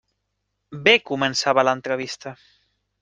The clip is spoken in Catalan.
Bé començava l'entrevista.